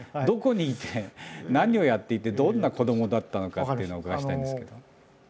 どこにいて何をやっていてどんな子どもだったのかっていうのをお伺いしたいんですけど。